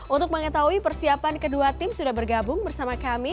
untuk mengetahui persiapan kedua tim sudah bergabung bersama kami